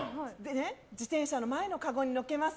自転車の前のかごにのっけます。